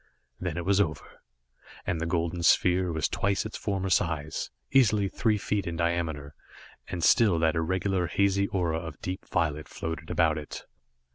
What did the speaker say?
Then it was over, and the golden sphere was twice its former size easily three feet in diameter, and still that irregular, hazy aura of deep violet floated about it.